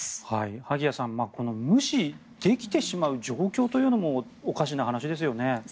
萩谷さん無視できてしまう状況というのもおかしな話ですよね。